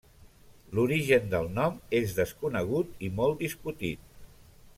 L'origen del nom és desconegut i molt discutit.